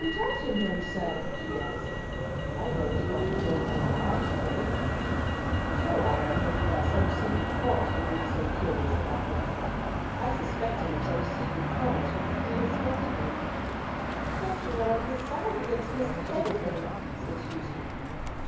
"You doubt him then, sir!" she asked. "I relished not his ways on our ride to day," said Richard. "Sure I am that he had some secret cause for being so curious about the wreck. I suspect him of some secret commerce with the Queen of Scots' folk." "Yet you were on his side against Mr. Heatherthwayte," said Susan.